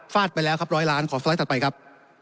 ฟาดไปแล้วครับ๑๐๐ล้านขอสไลด์ต่อไปครับ